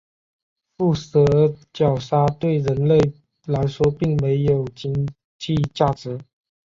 腹蛇角鲨对人类来说并没有经济价值。